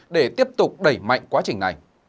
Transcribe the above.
để tiếp tục đẩy mạnh quá trình này